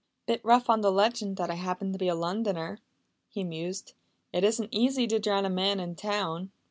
"Bit rough on the legend that I happened to be a Londoner!" he mused. "It isn't easy to drown a man in town!"